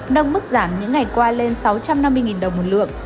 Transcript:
nâng mức giảm những ngày qua lên sáu trăm năm mươi đồng một lượng